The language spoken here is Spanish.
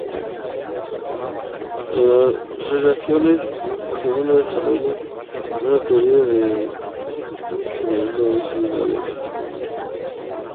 En la reelección segunda desarrolla una teoría general del derecho a la guerra.